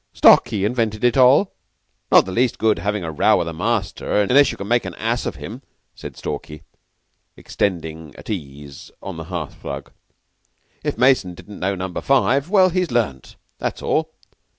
Stalky invented it all." "Not the least good having a row with a master unless you can make an ass of him," said Stalky, extended at ease on the hearth rug. "If Mason didn't know Number Five well, he's learnt, that's all.